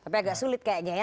tapi agak sulit kayaknya ya